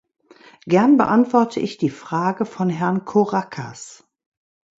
Gern beantworte ich die Frage von Herrn Korakas.